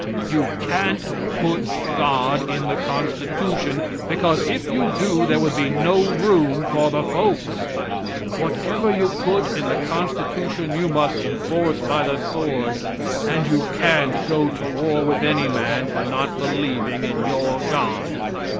You can't put God in the constitution, because if you do there would be no room for the folks. Whatever you put in the constitution you must enforce by the sword, and you can't go to war with any man for not believing in your God.